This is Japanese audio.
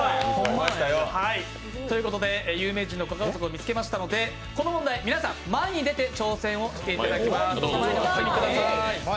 ということで有名人のご家族を見つけましたのでこの問題、皆さん前に出て挑戦をしていただきます。